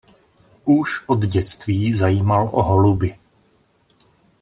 Už od dětství zajímal o holuby.